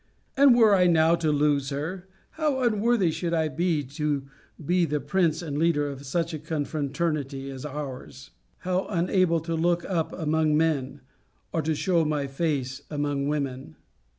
And were I now to lose her, how unworthy should I be to be the prince and leader of such a confraternity as ours! How unable to look up among men! or to shew my face among women!